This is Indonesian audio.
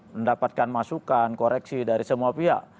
mendapatkan masukan koreksi dari semua pihak